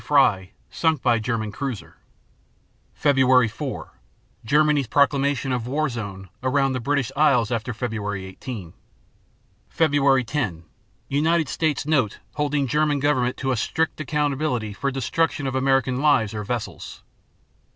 Frye" sunk by German cruiser._ Feb. 4 Germany's proclamation of "war zone" around the British Isles after February 18. _Feb. 10 United States note holding German government to a "strict accountability" for destruction of American lives or vessels.